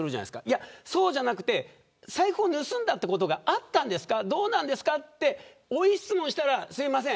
いや、そうじゃなくて財布を盗んだことがあったんですかどうなんですかって追い質問したらすいません